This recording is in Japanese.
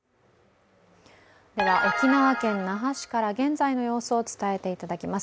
沖縄県那覇市から現在の様子を伝えていただきます。